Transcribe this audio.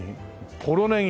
ポロネギ。